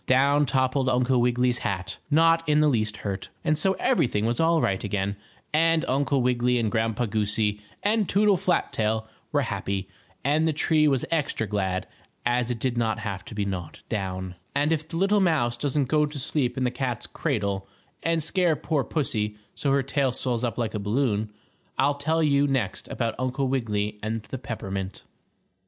Down toppled Uncle Wiggily's hat, not in the least hurt, and so everything was all right again, and Uncle Wiggily and Grandpa Goosey and Toodle Flat tail were happy. And the tree was extra glad as it did not have to be gnawed down. [Illustration: Down toppled Uncle Wiggily's hat, not in the least hurt.] And if the little mouse doesn't go to sleep in the cat's cradle and scare poor pussy so her tail swells up like a balloon, I'll tell you next about Uncle Wiggily and the peppermint.